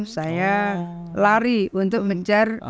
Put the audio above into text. saya lari untuk mencar